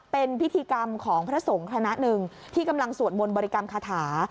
เป็นพิธีกรรมของพระสงฆ์คณะหนึ่งที่กำลังสวดมนต์บริกรรมคาถา